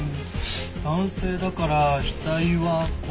男性だから額は５ミリ。